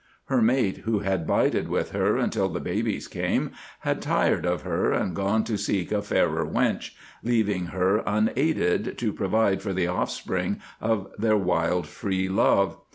Her mate, who had bided with her until the babies came, had tired of her and gone to seek a fairer wench, leaving her unaided to provide for the offsprings of their wild, free love.